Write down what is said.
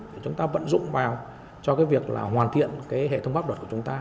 để chúng ta vận dụng vào cho cái việc là hoàn thiện cái hệ thống pháp luật của chúng ta